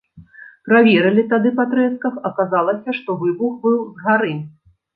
Праверылі тады па трэсках, аказалася, што выбух быў з гары.